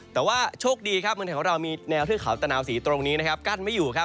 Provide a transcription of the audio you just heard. แต่ว่าโชคดีเมืองแถวของเรามีแนวถือขาวตะหนาวสีตรงนี้กั้นไม่อยู่